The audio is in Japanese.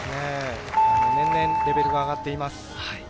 年々レベルが上がっています。